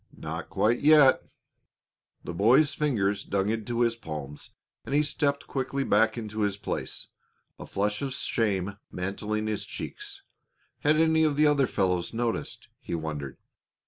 Not quite yet." The boy's fingers dug into his palms and he stepped quickly back into his place, a flush of shame mantling his cheeks. Had any of the other fellows noticed? he wondered.